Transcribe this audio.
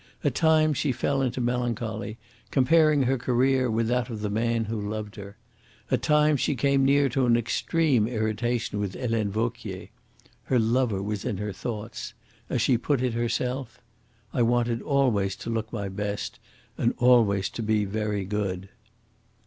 At times she fell into melancholy, comparing her career with that of the man who loved her. At times she came near to an extreme irritation with Helene Vauquier. Her lover was in her thoughts. As she put it herself: "I wanted always to look my best, and always to be very good."